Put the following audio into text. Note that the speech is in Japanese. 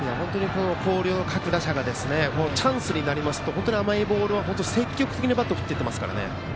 広陵の各打者がチャンスになると甘いボールは積極的にバットを振っていってますからね。